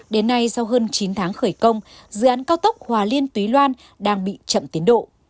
đến nay sau hơn chín tháng khởi công dự án cao tốc hòa liên túy loan đang bị chậm tiến độ